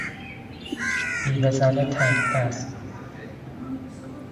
بیوه زن تنگدست